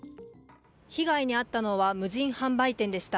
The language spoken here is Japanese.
被害に遭ったのは無人販売店でした。